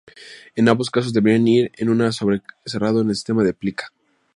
En ambos casos, deberán ir en un sobre cerrado con el sistema de plica.